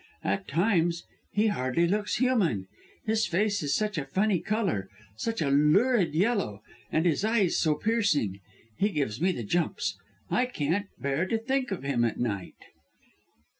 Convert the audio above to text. "At times he hardly looks human. His face is such a funny colour, such a lurid yellow, and his eyes, so piercing! He gives me the jumps! I can't bear to think of him at night!"